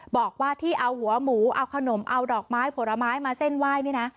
บอกว่าที่เอาหัวหมูเอาขนมเอาดอกไม้ผลไม้มาเส้นไหว้นี่นะ